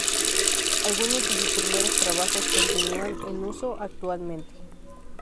Algunos de sus primeros trabajos continúan en uso actualmente.